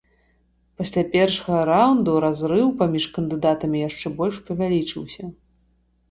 Пасля першага раунду разрыў паміж кандыдатамі яшчэ больш павялічыўся.